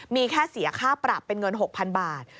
มีแค่เสียค่าปรับเป็นเงิน๖๐๐๐บาท